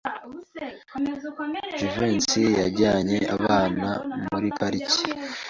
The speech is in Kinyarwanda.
Jivency yajyanye abana muri parike.